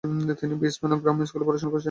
তিনি Brisbane grammar স্কুলে পড়াশোনা করেছেন।